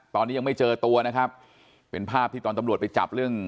ตอนนี้ยังไม่เจอตัวนะครับเป็นภาพที่ตอนตำรวจไปจับเรื่อง